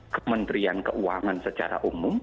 kementerian keuangan secara umum